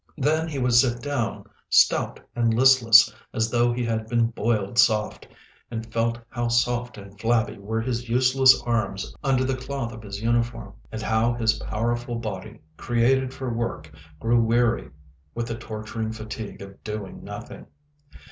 Then he would sit down stout and listless, as though he had been boiled soft, and felt how soft and flabby were his useless arms under the cloth of his uniform, and how his powerful body, created for work, grew weary with the torturing fatigue of doing nothing.